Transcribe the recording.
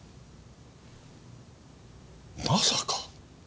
まさか！